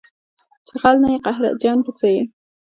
چې غل نه یې قهرجن په څه یې